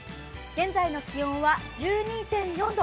現在の気温は１２．４度。